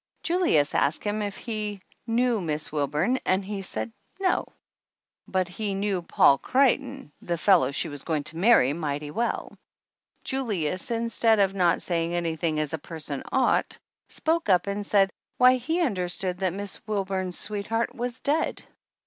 Julius asked him if he knew Miss Wilburn and he said no, but he knew Paul Creighton, the fellow she was going to marry, mighty well. Julius, in stead of not saying anything as a person ought, spoke up and said why he understood that Miss Wilburn' s sweetheart was dead.